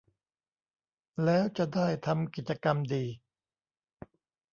แล้วจะได้ทำกิจกรรมดี